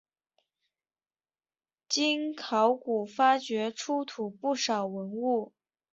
经考古发掘出土不少文物。